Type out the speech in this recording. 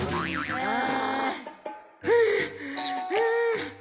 ああ。